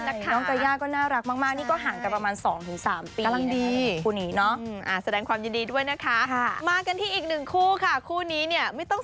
น้องกัย่าก็น่ารักมากนี้ก็หลังแต่ประมาณ๒ถึง๓ปี